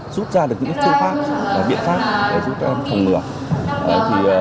giúp ra được những phương pháp và biện pháp để giúp các em phòng ngược